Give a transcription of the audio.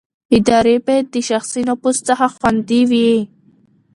ادارې باید د شخصي نفوذ څخه خوندي وي